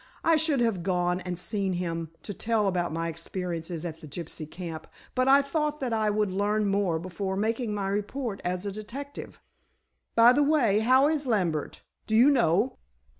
I should have gone and seen him, to tell about my experiences at the gypsy camp, but I thought that I would learn more before making my report as a detective. By the way, how is Lambert, do you know?"